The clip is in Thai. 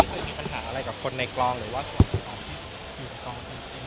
แล้วพี่ปุ้นมีปัญหาอะไรกับคนในกลองหรือว่าเสี่ยงของพี่ปุ้นอยู่ในกลอง